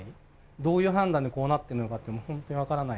どういう判断でこうなったのかというのが本当に分からない。